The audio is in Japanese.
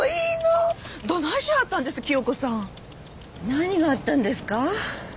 何があったんですか？